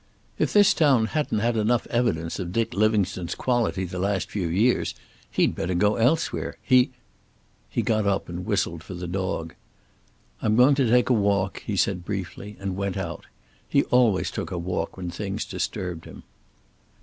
If this town hadn't had enough evidence of Dick Livingstone's quality the last few years he'd better go elsewhere. He He got up and whistled for the dog. "I'm going to take a walk," he said briefly, and went out. He always took a walk when things disturbed him.